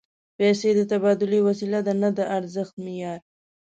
پیسې د تبادلې وسیله ده، نه د ارزښت معیار